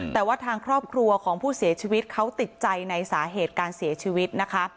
แต่ว่าทางครอบครัวของผู้เสียชีวิตเขาติดใจในสาเหตุการเสียชีวิตนะคะ